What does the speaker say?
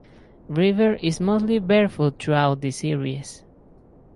River is mostly barefoot throughout the series.